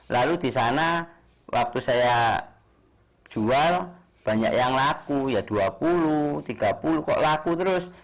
lalu di sana waktu saya jual banyak yang laku ya rp dua puluh tiga puluh kok laku terus